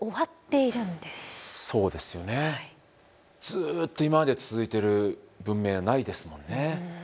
ずっと今まで続いてる文明はないですもんね。